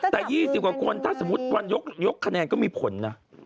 แต่๒๐กว่าคนถ้าสมมุติวันยกคะแนนก็มีผลนะ